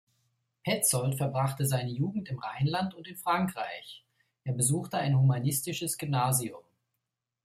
Petzold verbrachte seine Jugend im Rheinland und in Frankreich; er besuchte ein humanistisches Gymnasium.